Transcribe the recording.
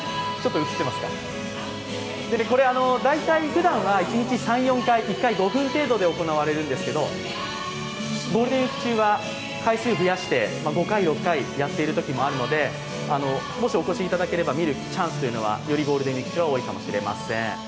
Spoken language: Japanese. ふだんは１日３４回、１回５分程度で行われるんですが、ゴールデンウイーク中は回数を増やして、５回、６回やっている時もあるのでもしお越しいただければ見るチャンスはよりゴールデンウイーク中は多いかもしれません。